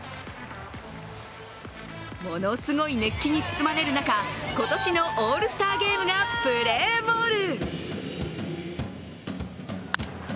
ものすごい熱気に包まれる中、今年のオールスターゲームがプレーボール。